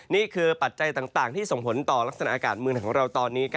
ปัจจัยต่างที่ส่งผลต่อลักษณะอากาศเมืองของเราตอนนี้